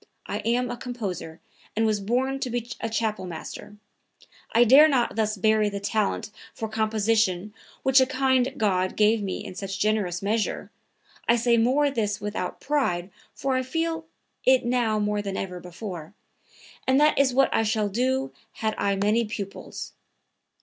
I am a composer and was born to be a chapelmaster. I dare not thus bury the talent for composition which a kind God gave me in such generous measure (I may say this without pride for I feel it now more than ever before), and that is what I should do had I many pupils.